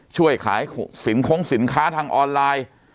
ช่วยขายสินคงสินค้าทางออนไลน์